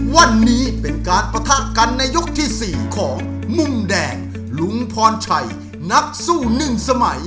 วันนี้เป็นการปะทะกันในยกที่๔ของมุมแดงลุงพรชัยนักสู้หนึ่งสมัย